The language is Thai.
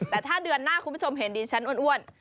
แต่ถ้าเดือนหน้าคุณผู้ชมเห็นดิฉันอ้วน